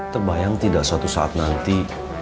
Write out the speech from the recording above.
terbayang tidak suatu saat nanti